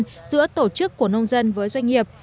giữa tổ chức của nông dân với doanh nghiệp